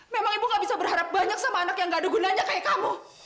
memang ibu gak bisa berharap banyak sama anak yang gak ada gunanya kayak kamu